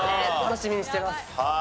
楽しみにしてます。